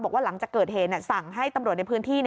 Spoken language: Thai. บอกว่าหลังจากเกิดเหตุสั่งให้ตำรวจในพื้นที่